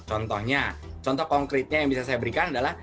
contohnya contoh konkretnya yang bisa saya berikan adalah